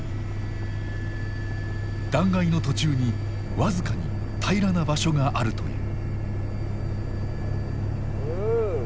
断崖の途中に僅かに平らな場所があるという。